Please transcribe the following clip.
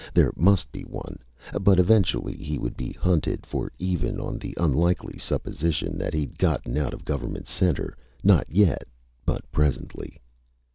There must be one. But eventually he would be hunted for even on the unlikely supposition that he'd gotten out of Government Center. Not yet, but presently.